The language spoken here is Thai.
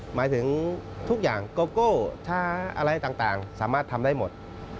หมายถึงทุกอย่างโกโก้ช้าอะไรต่างสามารถทำได้หมด